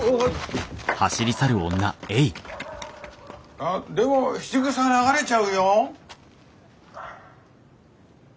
あっでも質ぐさ流れちゃうよ。